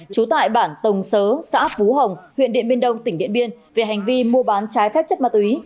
trú tại bản tổng sớ xã phú hồng huyện điện biên đông tỉnh điện biên về hành vi mua bán trái phép chất ma túy